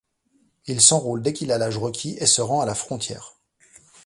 Il s'enrôle dès qu'il a l'âge requis, et se rend à la frontière.